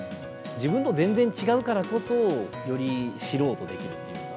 自分と全然違うからこそ、より知ろうとできるというか。